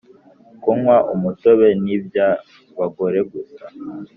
Kunywa umutobe ni bya bagore gusa